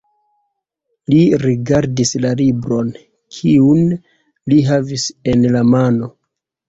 Li rigardis la libron, kiun li havis en la mano.